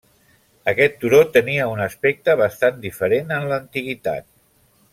Aquest turó tenia un aspecte bastant diferent en l'antiguitat.